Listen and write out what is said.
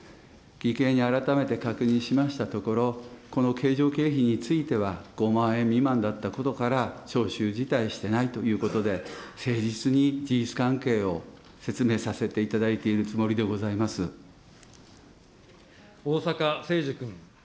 義兄に改めて確認しましたところ、この計上経費については５万円未満だったことから、徴収自体していないということで、誠実に事実関係を説明させていた逢坂誠二君。